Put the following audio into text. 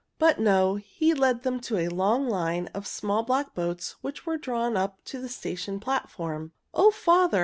But no, he led them to a long line of small black boats which were drawn up to the station platform. "O father!